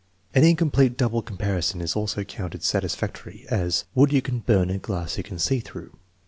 An incomplete double comparison is also counted satisfactory; as, "Wood you can burn and glass you can see through."